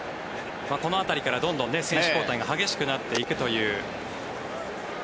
この辺りから選手交代が激しくなっていくという。